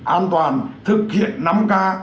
an toàn thực hiện năm k